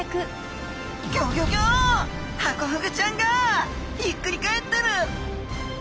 ハコフグちゃんがひっくり返ってる！？